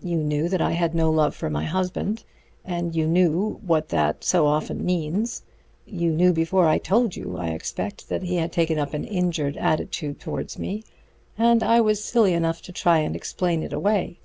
You knew that I had no love for my husband, and you knew what that so often means. You knew before I told you, I expect, that he had taken up an injured attitude towards me; and I was silly enough to try and explain it away.